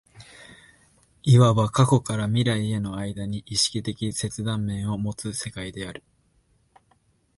いわば過去から未来への間に意識的切断面を有つ世界である。